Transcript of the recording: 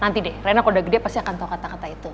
nanti deh rena kalau udah gede pasti akan tau kata kata itu